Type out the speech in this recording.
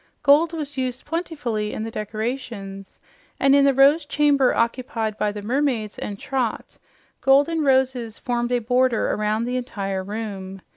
Gold was used plentifully in the decorations, and in the Rose Chamber occupied by the mermaids and Trot golden roses formed a border around the entire room.